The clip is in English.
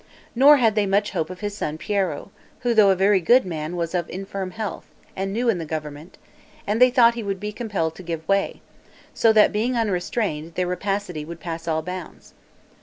Nor had they much hope of his son Piero, who though a very good man, was of infirm health, and new in the government, and they thought he would be compelled to give way; so that, being unrestrained, their rapacity would pass all bounds.